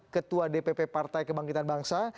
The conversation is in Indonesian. ketua dpp partai kebangkitan bangsa